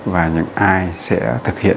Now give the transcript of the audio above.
và những ai sẽ thực hiện